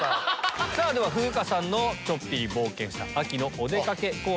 風花さんのちょっぴり冒険した秋のお出かけコーデ。